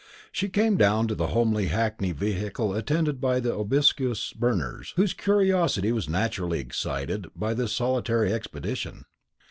She came down to the homely hackney vehicle attended by the obsequious Berners, whose curiosity was naturally excited by this solitary expedition.